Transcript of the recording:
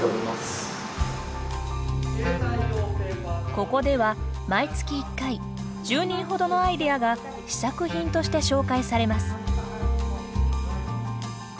ここでは毎月１回１０人ほどのアイデアが試作品として紹介されます。